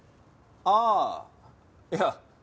ああいや